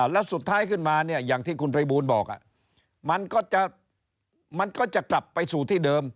แล้วสุดท้ายขึ้นมาเนี่ยอย่างที่คุณภัยบูลบอกมันก็จะมันก็จะกลับไปสู่ที่เดิม